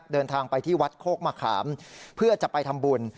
เดินทางไปที่วัดโคกมะขามเพื่อจะไปทำบุญ